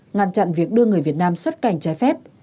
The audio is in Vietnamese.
ngăn chặn việc đưa người việt nam xuất cảnh